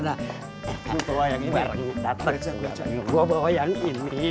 gua bawa yang ini